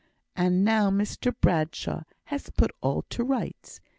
And now Mr Bradshaw has put all to rights.